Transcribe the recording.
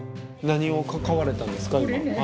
何を買われたんですか？